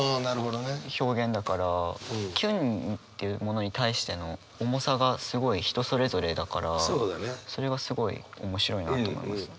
キュンというものに対しての重さがすごい人それぞれだからそれがすごい面白いなと思います。